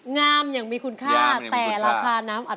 งามอย่างมีคุณค่าแต่ราคาน้ำอัด